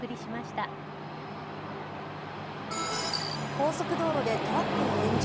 高速道路でトラックが炎上。